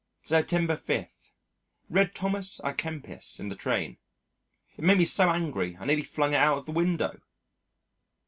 September 5. Read Thomas à Kempis in the train. It made me so angry I nearly flung it out of the window.